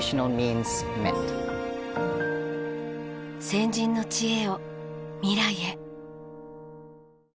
先人の知恵を未来へ。